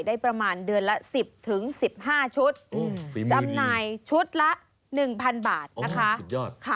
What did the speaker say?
ได้ประมาณเดือนละ๑๐๑๕ชุดจำหน่ายชุดละ๑๐๐๐บาทนะคะสุดยอดค่ะ